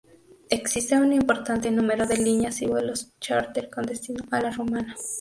Existe un importante número de líneas y vuelos chárter con destino a La Romana.